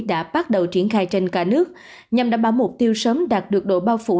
đã bắt đầu triển khai trên cả nước nhằm đảm bảo mục tiêu sớm đạt được độ bao phủ